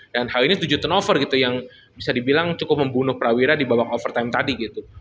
dan hal ini tujuh ton over gitu yang bisa dibilang cukup membunuh prawira di babak overtime tadi gitu